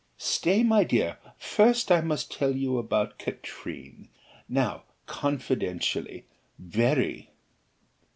"Stay, my dear, first I must tell you about Katrine now confidentially very."